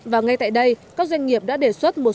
và ngay tại đây các doanh nghiệp đã đề xuất một số chính xác